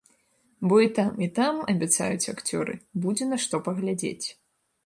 Бо і там, і там, абяцаюць акцёры, будзе на што паглядзець.